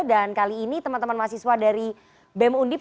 dan kali ini teman teman mahasiswa dari bem undip